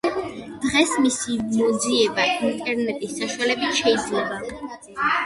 დღეს მისი მოძიება ინტერნეტის საშუალებით შეიძლება.